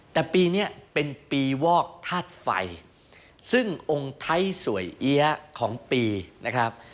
แต่ปีนี้เป็นปีวอกธาตุไฟซึ่งองค์ไทยสวยเอี๊ยะของปีนะครับ